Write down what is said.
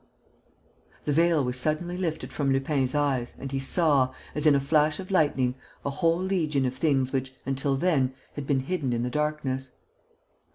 The veil was suddenly lifted from Lupin's eyes and he saw, as in a flash of lightning, a whole legion of things which, until then, had been hidden in the darkness.